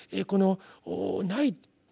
このない。